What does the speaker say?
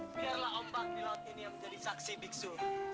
biarlah ombak di laut ini yang menjadi saksi biksu